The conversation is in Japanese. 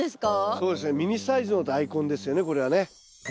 そうですねミニサイズのダイコンですよねこれはね。